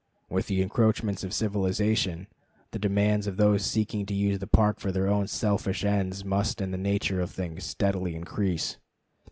With the encroachments of civilization, the demands of those seeking to use the Park for their own selfish ends must in the nature of things steadily increase.